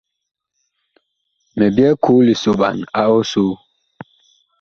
Mi byɛɛ koo lisoɓan a ɔsoo.